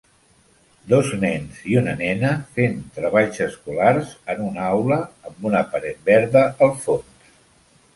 Dos nens i una nena fent treballs escolars en una aula amb una paret verda al fons.